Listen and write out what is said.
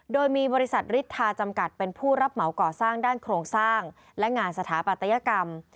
โดยมีบริษัทฤทธาจำกัดเป็นผู้รับเหมาก่อสร้างด้านโครงสร้างและงานสถาปัตยกรรม